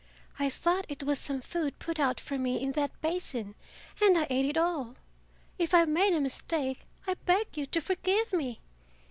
I thought it was some food put out for me in that basin, and I ate it all. If I have made a mistake I beg you to forgive me!